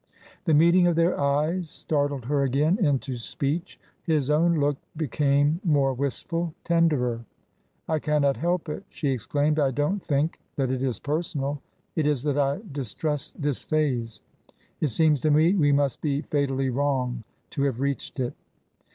The meeting of their eyes startled her again into speech. His own look became more wistful — tenderer. " I cannot help it," she exclaimed. " I don't think that it is personal. It is that I distrust this phase ! It seems to me we must be fatally wrong to have reached it."